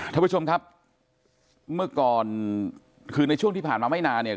ท่านผู้ชมครับเมื่อก่อนคือในช่วงที่ผ่านมาไม่นานเนี่ย